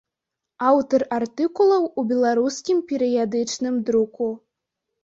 Аўтар артыкулаў у беларускім перыядычным друку.